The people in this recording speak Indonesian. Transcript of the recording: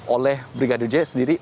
oleh brigadir j sendiri